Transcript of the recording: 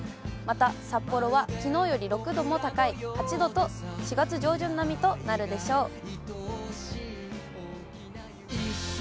また札幌はきのうより６度も高い８度と、４月上旬並みとなるでしょう。